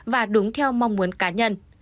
và đúng theo mong muốn cá nhân